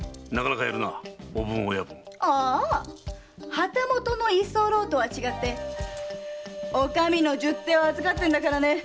旗本の居候とは違ってお上の十手を預かってるからね！